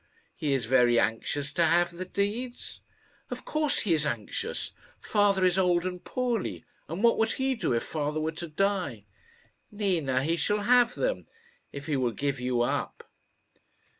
"He is very anxious to have the deeds?" "Of course he is anxious. Father is old and poorly; and what would he do if father were to die?" "Nina, he shall have them if he will give you up."